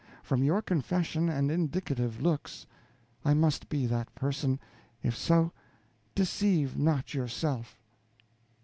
From your confession and indicative looks, I must be that person; if so, deceive not yourself."